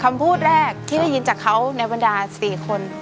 คำพูดแรกที่ได้ยินจากเขาในบรรดา๔คน